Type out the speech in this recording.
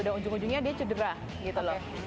dan ujung ujungnya dia cedera gitu loh